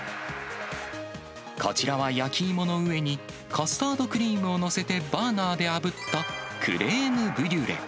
こちらは焼き芋の上にカスタードクリームを載せてバーナーであぶった、クレームブリュレ。